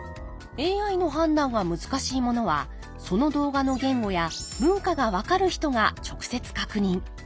ＡＩの判断が難しいものはその動画の言語や文化が分かる人が直接確認。